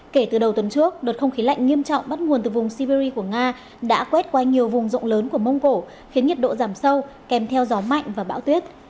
kể từ đầu tuần trước đợt không khí lạnh nghiêm trọng bắt nguồn từ vùng siberia của nga đã quét qua nhiều vùng rộng lớn của mông cổ khiến nhiệt độ giảm sâu kèm theo gió mạnh và bão tuyết